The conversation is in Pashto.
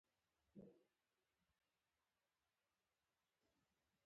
زړه د مینې له خاطره قرباني ته تیار وي.